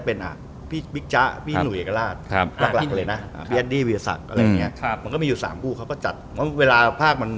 เพราะว่าเขาช่วยคุณครับเขาก็ได้ไม่มีคุณครับ